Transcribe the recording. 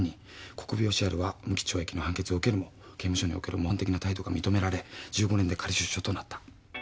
国府吉春は無期懲役の判決を受けるも刑務所における模範的な態度が認められ１５年で仮出所となった」